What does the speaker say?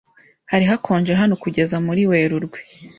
Hari hakonje hano kugeza muri Werurwe.